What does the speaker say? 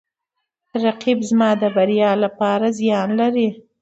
رقیب زما د بریا لپاره زیان لري